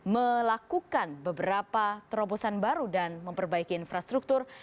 melakukan beberapa terobosan baru dan memperbaiki infrastruktur